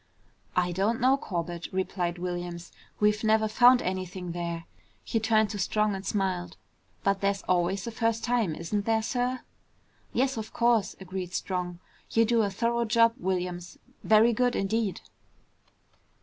"I don't know, Corbett," replied Williams. "We've never found anything there." He turned to Strong and smiled. "But there's always a first time, isn't there, sir?" "Yes, of course," agreed Strong. "You do a thorough job, Williams. Very good indeed!"